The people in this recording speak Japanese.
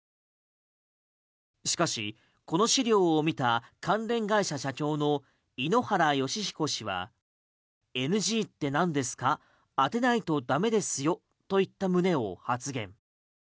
しかし、この資料を見た関連会社社長の井ノ原快彦氏はＮＧってなんですか当てないと駄目ですよといった旨を発言。